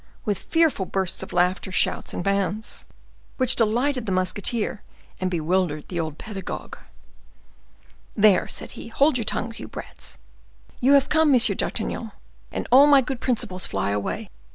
with fearful bursts of laughter, shouts, and bounds, which delighted the musketeer, and bewildered the old pedagogue. "There!" said he, "hold your tongues, you brats! You have come, M. d'Artagnan, and all my good principles fly away.